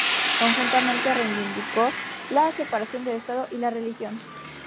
Conjuntamente reivindicó la separación del Estado y la religión.